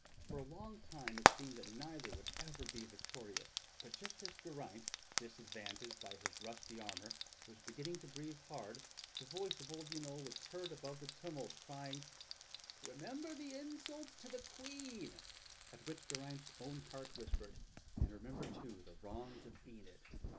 For a long time it seemed that neither would ever be victorious, but just as Geraint, disadvantaged by his rusty armor, was beginning to breathe.hard, the voice of old Yniol was heard above the tumult, crying: "Remember the insult to the Queen!" At which Geraint's own heart whispered, "And remember, too, the wrongs of Enid!"